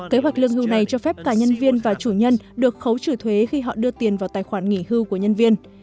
kế hoạch lương hưu này cho phép cả nhân viên và chủ nhân được khấu trừ thuế khi họ đưa tiền vào tài khoản nghỉ hưu của nhân viên